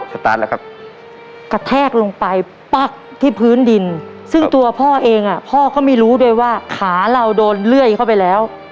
กระแทกลงไปปั๊บที่พื้นดินซึ่งตัวพ่อเองพ่อก็ไม่รู้ด้วยว่าขาเราโดนเลื่อยเข้าไปแล้ว